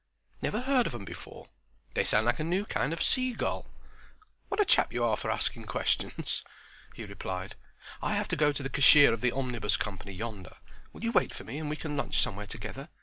"Never heard of 'em before. They sound like a new kind of seagull. What a chap you are for asking questions!" he replied. "I have to go to the cashier of the Omnibus Company yonder. Will you wait for me and we can lunch somewhere together?